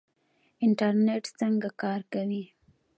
انټرنیټ څنګه کار کوي؟